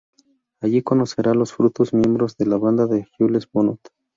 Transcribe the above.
Allí conocerá a los futuros miembros de la banda de Jules Bonnot.